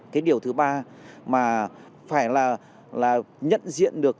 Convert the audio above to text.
cái điều thứ ba mà phải là nhận diện được